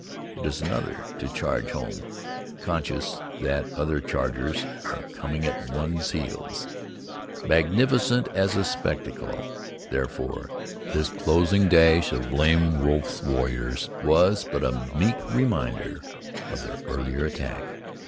It is another to charge home conscious that other chargers are coming at one's heels. Magnificent as a spectacle, therefore, this closing dash of Lame Wolf's warriors was but a meek reminder of their earlier attack.